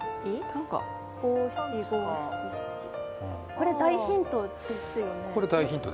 これ、大ヒントですよね。